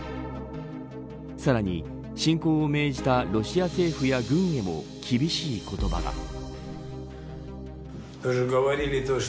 さらに、侵攻を命じたロシア政府や軍にも厳しい言葉が。